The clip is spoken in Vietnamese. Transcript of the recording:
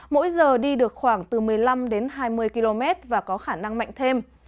mỗi giờ đi được khoảng từ một mươi năm đến hai mươi km và có khả năng mạnh thêm